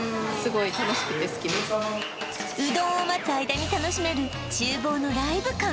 うどんを待つ間に楽しめる厨房のライブ感